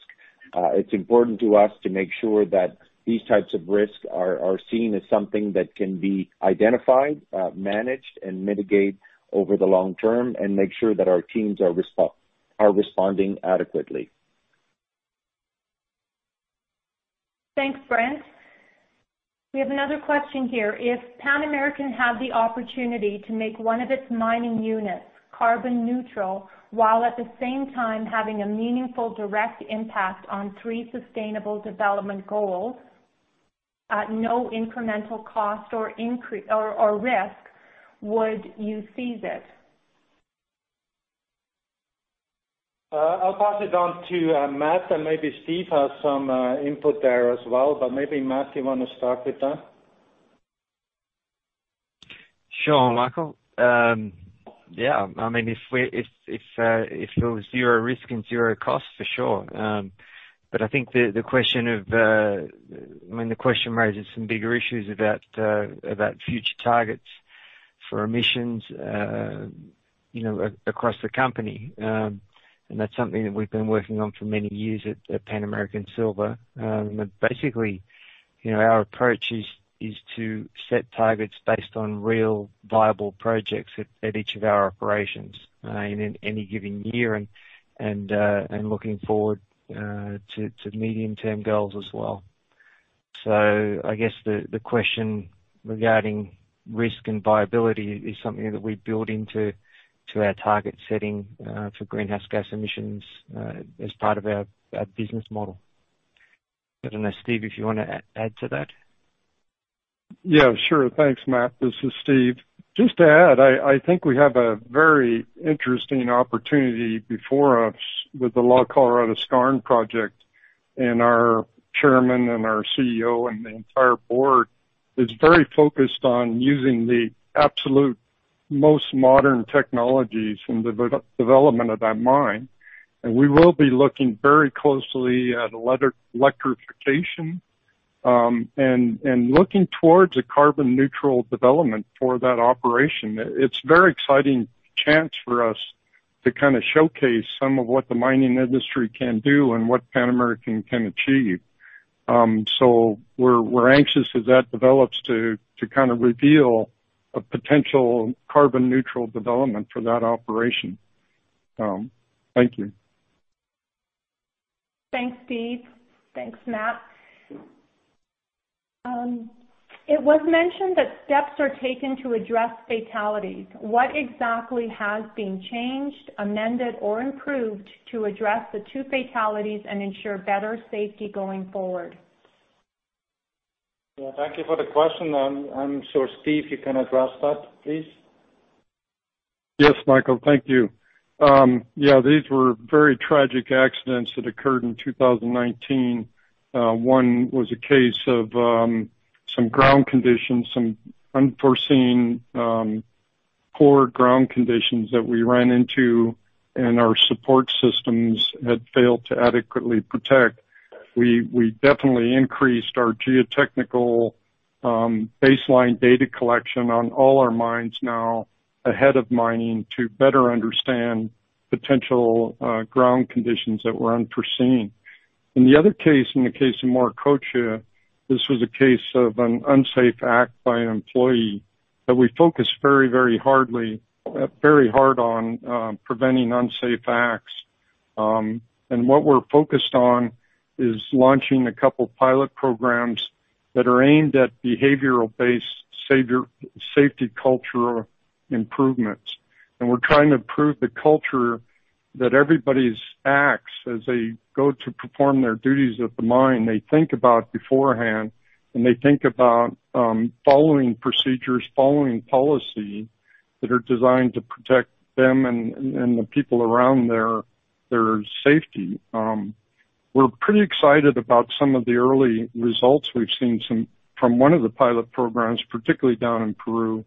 It's important to us to make sure that these types of risks are seen as something that can be identified, managed, and mitigated over the long term and make sure that our teams are responding adequately. Thanks, Brent. We have another question here. If Pan American had the opportunity to make one of its mining units carbon neutral while at the same time having a meaningful direct impact on three Sustainable Development Goals at no incremental cost or risk, would you seize it? I'll pass it on to Matt, and maybe Steve has some input there as well, but maybe Matt, you want to start with that? Siren, Michael. Yeah. I mean, if there was zero risk and zero cost, for sure. But I think the question of, I mean, the question raises some bigger issues about future targets for emissions across the company, and that's something that we've been working on for many years at Pan American Silver. Basically, our approach is to set targets based on real viable projects at each of our operations in any given year and looking forward to medium-term goals as well. So I guess the question regarding risk and viability is something that we build into our target setting for greenhouse gas emissions as part of our business model. I don't know, Steve, if you want to add to that? Yeah, sure. Thanks, Matt. This is Steve. Just to add, I think we have a very interesting opportunity before us with the La Colorada Skarn project, and our chairman and our CEO and the entire board is very focused on using the absolute most modern technologies in the development of that mine. And we will be looking very closely at electrification and looking towards a carbon-neutral development for that operation. It's a very exciting chance for us to kind of showcase some of what the mining industry can do and what Pan American can achieve. So we're anxious as that develops to kind of reveal a potential carbon-neutral development for that operation. Thank you. Thanks, Steve. Thanks, Matt. It was mentioned that steps are taken to address fatalities. What exactly has been changed, amended, or improved to address the two fatalities and ensure better safety going forward? Yeah, thank you for the question. I'm sure, Steve, you can address that, please. Yes, Michael. Thank you. Yeah, these were very tragic accidents that occurred in 2019. One was a case of some ground conditions, some unforeseen poor ground conditions that we ran into, and our support systems had failed to adequately protect. We definitely increased our geotechnical baseline data collection on all our mines now ahead of mining to better understand potential ground conditions that were unforeseen. In the other case, in the case of Morococha, this was a case of an unsafe act by an employee that we focused very, very hard on preventing unsafe acts, and what we're focused on is launching a couple of pilot programs that are aimed at behavioral-based safety culture improvements. And we're trying to improve the culture that everybody's actions, as they go to perform their duties at the mine, they think about beforehand, and they think about following procedures, following policies that are designed to protect them and the people around them, their safety. We're pretty excited about some of the early results we've seen from one of the pilot programs, particularly down in Peru,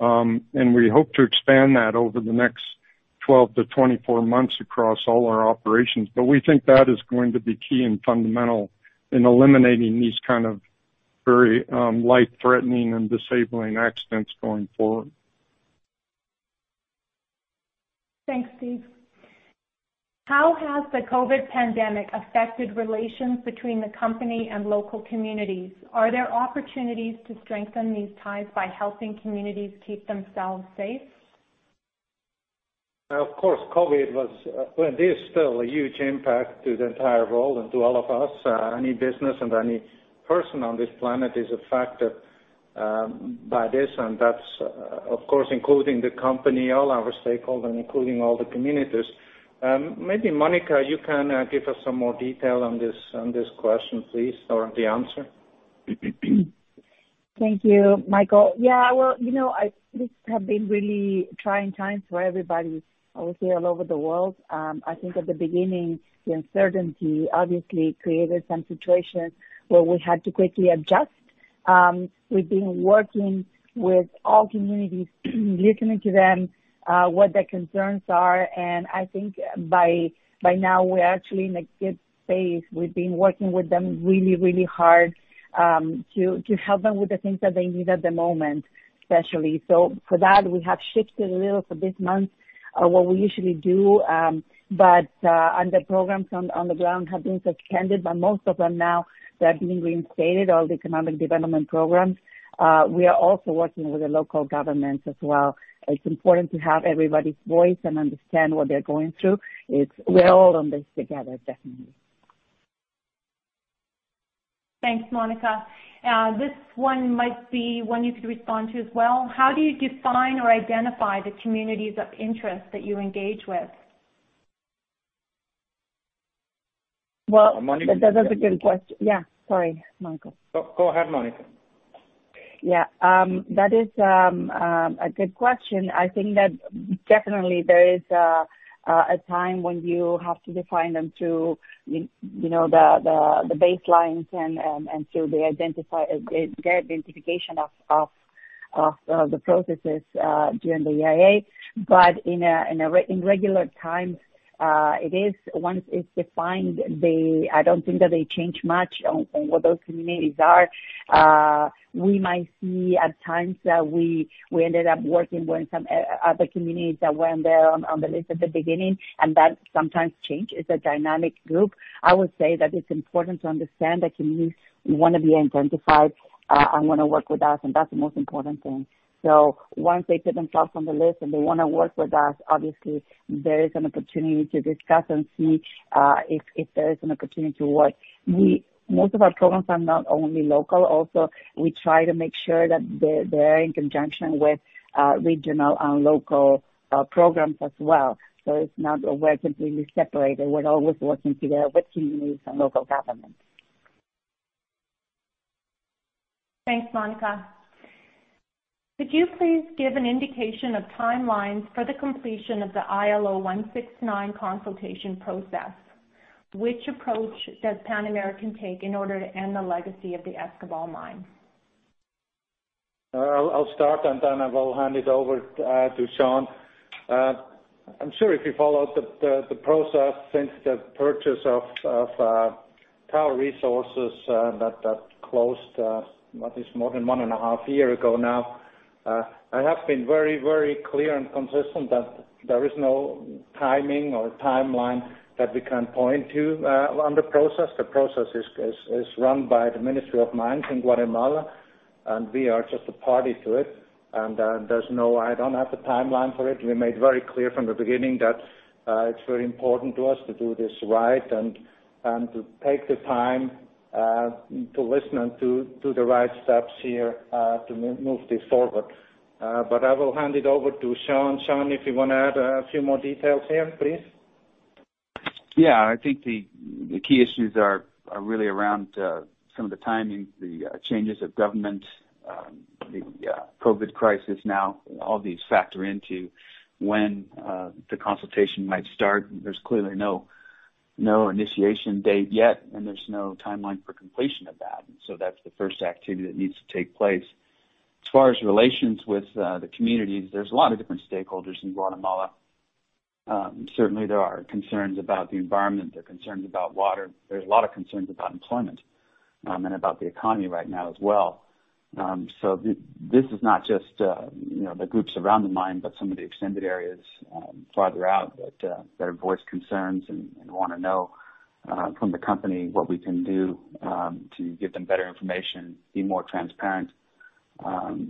and we hope to expand that over the next 12-24 months across all our operations. But we think that is going to be key and fundamental in eliminating these kind of very life-threatening and disabling accidents going forward. Thanks, Steve. How has the COVID pandemic affected relations between the company and local communities? Are there opportunities to strengthen these ties by helping communities keep themselves safe? Of course, COVID was, and it is still, a huge impact to the entire world and to all of us. Any business and any person on this planet is affected by this, and that's, of course, including the company, all our stakeholders, including all the communities. Maybe Monica, you can give us some more detail on this question, please, or the answer. Thank you, Michael. Yeah, well, these have been really trying times for everybody, obviously, all over the world. I think at the beginning, the uncertainty obviously created some situations where we had to quickly adjust. We've been working with all communities, listening to them, what their concerns are, and I think by now we're actually in a good space. We've been working with them really, really hard to help them with the things that they need at the moment, especially. So for that, we have shifted a little for this month what we usually do, but the programs on the ground have been suspended, but most of them now, they're being reinstated, all the economic development programs. We are also working with the local governments as well. It's important to have everybody's voice and understand what they're going through. We're all on this together, definitely. Thanks, Monica. This one might be one you could respond to as well. How do you define or identify the communities of interest that you engage with? Well, Monica, you can. That's a good question. Yeah, sorry, Michael. Go ahead, Monica. Yeah. That is a good question. I think that definitely there is a time when you have to define them through the baselines and through the identification of the processes during the EIA. But in regular times, it is, once it's defined, I don't think that they change much on what those communities are. We might see at times that we ended up working with some other communities that weren't there on the list at the beginning, and that sometimes changes. It's a dynamic group. I would say that it's important to understand that communities want to be identified and want to work with us, and that's the most important thing. So once they put themselves on the list and they want to work with us, obviously, there is an opportunity to discuss and see if there is an opportunity to work. Most of our programs are not only local. Also, we try to make sure that they're in conjunction with regional and local programs as well. So it's not that we're completely separated. We're always working together with communities and local governments. Thanks, Monica. Could you please give an indication of timelines for the completion of the ILO 169 consultation process? Which approach does Pan American take in order to end the legacy of the Escobal mine? I'll start, and then I will hand it over to Sean. I'm sure if you followed the process since the purchase of Tahoe Resources that closed at least more than one and a half years ago now, I have been very, very clear and consistent that there is no timing or timeline that we can point to on the process. The process is run by the Ministry of Mines in Guatemala, and we are just a party to it, and I don't have a timeline for it. We made very clear from the beginning that it's very important to us to do this right and to take the time to listen and to do the right steps here to move this forward, but I will hand it over to Sean. Sean, if you want to add a few more details here, please. Yeah. I think the key issues are really around some of the timing, the changes of government, the COVID crisis now. All these factor into when the consultation might start. There's clearly no initiation date yet, and there's no timeline for completion of that. And so that's the first activity that needs to take place. As far as relations with the communities, there's a lot of different stakeholders in Guatemala. Certainly, there are concerns about the environment. There are concerns about water. There are a lot of concerns about employment and about the economy right now as well. So this is not just the groups around the mine, but some of the extended areas farther out that have voiced concerns and want to know from the company what we can do to give them better information, be more transparent,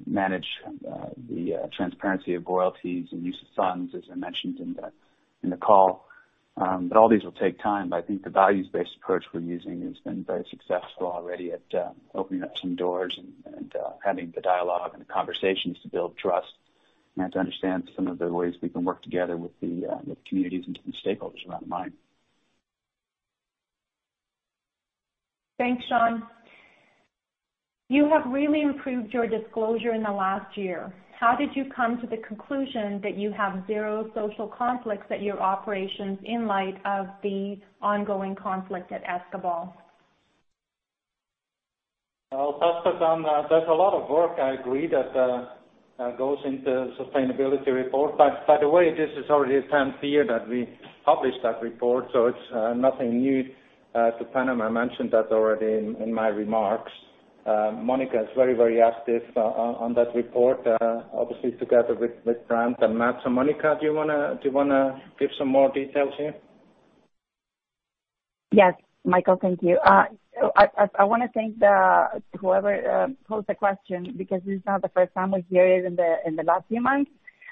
manage the transparency of royalties and use of funds, as I mentioned in the call. But all these will take time. But I think the values-based approach we're using has been very successful already at opening up some doors and having the dialogue and the conversations to build trust and to understand some of the ways we can work together with the communities and different stakeholders around the mine. Thanks, Sean. You have really improved your disclosure in the last year. How did you come to the conclusion that you have zero social conflicts at your operations in light of the ongoing conflict at Escobal? That's a lot of work. I agree that goes into the sustainability report. By the way, this is already the tenth year that we publish that report, so it's nothing new to Pan Am. I mentioned that already in my remarks. Monica is very, very active on that report, obviously, together with Brent and Matt. Monica, do you want to give some more details here? Yes, Michael, thank you. I want to thank whoever posed the question because this is not the first time we hear it in the last few months,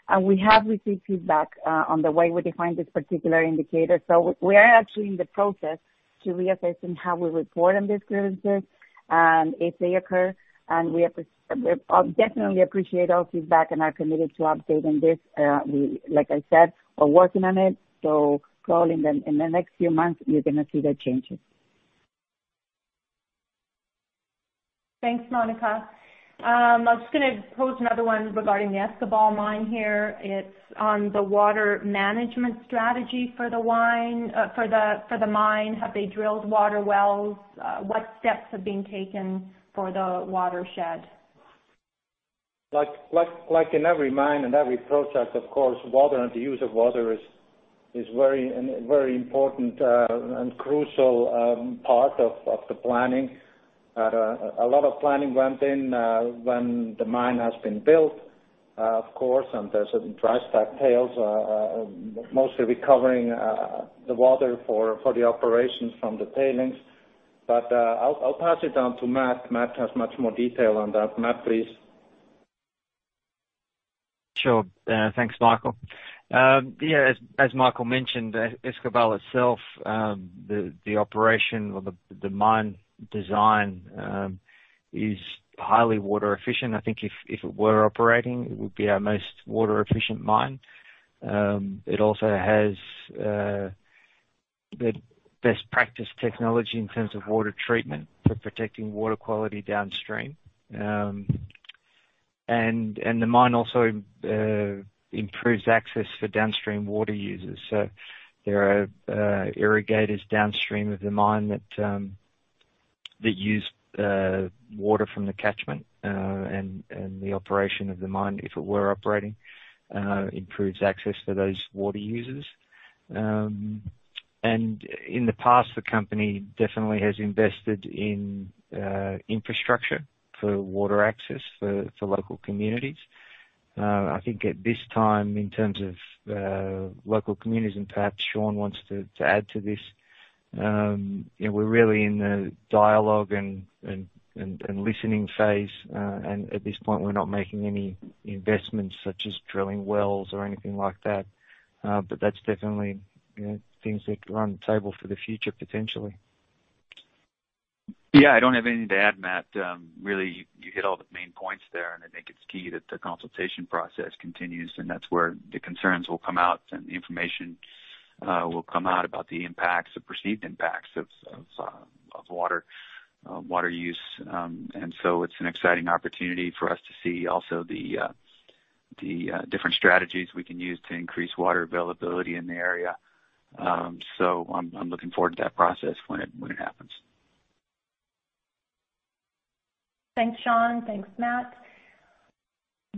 and we have received feedback on the way we define this particular indicator, so we are actually in the process to reassess how we report on these grievances and if they occur, and we definitely appreciate all feedback and are committed to updating this. Like I said, we're working on it, so probably in the next few months, you're going to see the changes. Thanks, Monica. I'm just going to pose another one regarding the Escobal mine here. It's on the water management strategy for the mine. Have they drilled water wells? What steps have been taken for the watershed? Like in every mine and every project, of course, water and the use of water is a very important and crucial part of the planning. A lot of planning went in when the mine has been built, of course, and there's a dry stack tailings, mostly recovering the water for the operations from the tailings. But I'll pass it down to Matt. Matt, please. Sure. Thanks, Michael. Yeah, as Michael mentioned, Escobal itself, the operation of the mine design is highly water efficient. I think if it were operating, it would be our most water-efficient mine. It also has the best practice technology in terms of water treatment for protecting water quality downstream, and the mine also improves access for downstream water users, so there are irrigators downstream of the mine that use water from the catchment, and the operation of the mine, if it were operating, improves access for those water users. And in the past, the company definitely has invested in infrastructure for water access for local communities. I think at this time, in terms of local communities, and perhaps Sean wants to add to this, we're really in the dialogue and listening phase, and at this point, we're not making any investments such as drilling wells or anything like that. But that's definitely things that run the table for the future, potentially. Yeah, I don't have anything to add, Matt. Really, you hit all the main points there, and I think it's key that the consultation process continues, and that's where the concerns will come out and the information will come out about the impacts, the perceived impacts of water use, and so it's an exciting opportunity for us to see also the different strategies we can use to increase water availability in the area, so I'm looking forward to that process when it happens. Thanks, Sean. Thanks, Matt.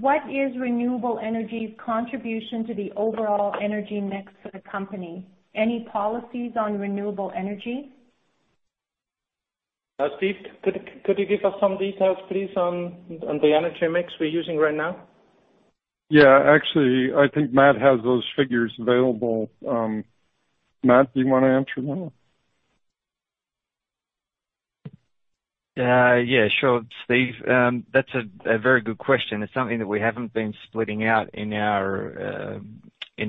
What is renewable energy's contribution to the overall energy mix for the company? Any policies on renewable energy? Steve, could you give us some details, please, on the energy mix we're using right now? Yeah. Actually, I think Matt has those figures available. Matt, do you want to answer that? Yeah. Sure, Steve. That's a very good question. It's something that we haven't been splitting out in our GRI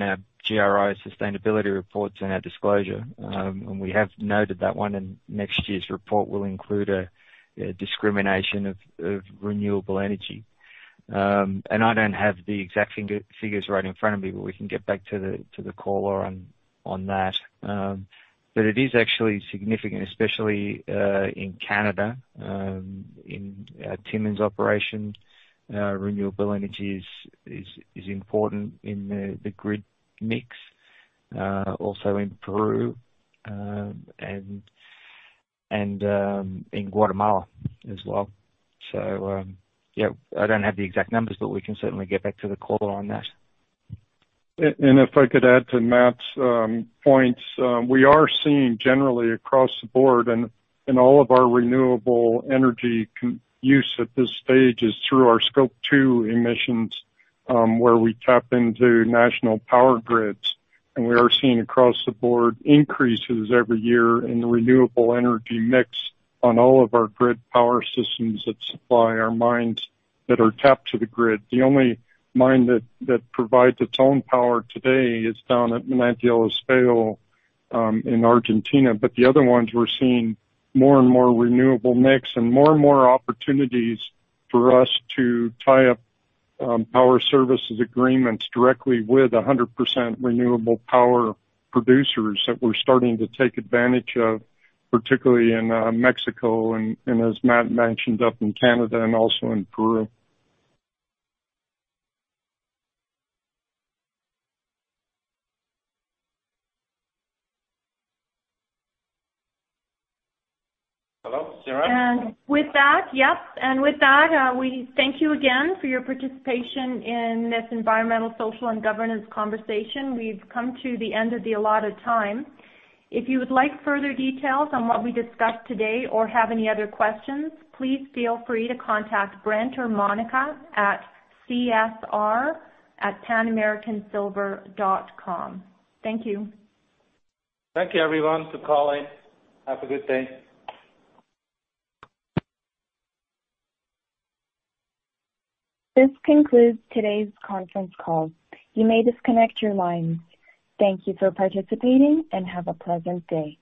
sustainability reports and our disclosure. And we have noted that one, and next year's report will include a disaggregation of renewable energy. And I don't have the exact figures right in front of me, but we can get back to the caller on that. But it is actually significant, especially in Canada. In Timmins' operation, renewable energy is important in the grid mix, also in Peru and in Guatemala as well. So yeah, I don't have the exact numbers, but we can certainly get back to the caller on that. And if I could add to Matt's points, we are seeing generally across the board, and all of our renewable energy use at this stage is through our Scope 2 emissions where we tap into national power grids. And we are seeing across the board increases every year in the renewable energy mix on all of our grid power systems that supply our mines that are tapped to the grid. The only mine that provides its own power today is down at Manantial Espejo in Argentina. But the other ones, we're seeing more and more renewable mix and more and more opportunities for us to tie up power purchase agreements directly with 100% renewable power producers that we're starting to take advantage of, particularly in Mexico and, as Matt mentioned, up in Canada and also in Peru. Hello, Siren? With that, we thank you again for your participation in this environmental, social, and governance conversation. We've come to the end of the allotted time. If you would like further details on what we discussed today or have any other questions, please feel free to contact Brent or Monica at csr@panamericansilver.com. Thank you. Thank you, everyone, for calling. Have a good day. This concludes today's conference call. You may disconnect your lines. Thank you for participating and have a pleasant day.